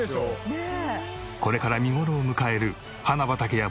ねえ。